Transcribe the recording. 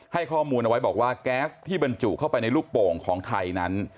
ให้ข้อมูลเอาไว้บอกว่าแก๊สที่บรรจุเข้าไปในลูกโป่งของไทยนั้น